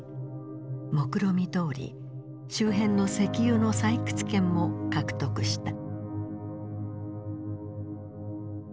もくろみどおり周辺の石油の採掘権も獲得した。